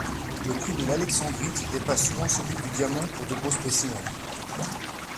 Le prix de l'alexandrite dépasse souvent celui du diamant pour de beaux spécimens.